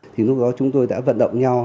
thì lúc đó chúng tôi đã vận động nhau